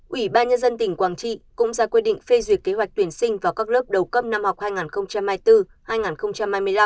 ủy ban nhân dân tỉnh quảng trị cũng ra quy định phê duyệt kế hoạch tuyển sinh vào các lớp đầu cấp năm học hai nghìn hai mươi bốn hai nghìn hai mươi năm